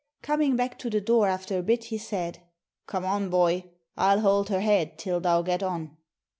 Coming back to the door after a bit, he said: 'Come on, boy. I'll hold her head till thou get on.'